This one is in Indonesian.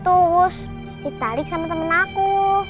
terus ditarik sama temen aku